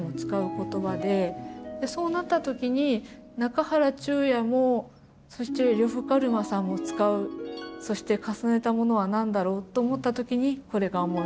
そうなった時に中原中也もそして呂布カルマさんも使うそして重ねたものは何だろうと思った時にこれが思い浮かびました。